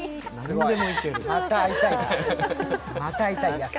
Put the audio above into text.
また会いたいです、やす子。